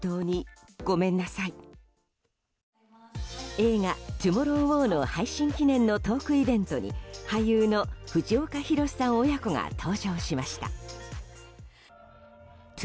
映画「トゥモロー・ウォー」の配信記念のトークイベントに俳優の藤岡弘、さん親子が登場しました。